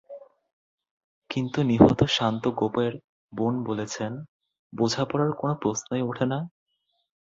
কিন্তু নিহত শান্ত গোপের বোন বলেছেন, বোঝাপড়ার কোনো প্রশ্নই ওঠে না।